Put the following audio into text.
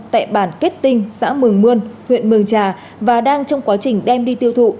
tại bản kết tinh xã mường mươn huyện mường trà và đang trong quá trình đem đi tiêu thụ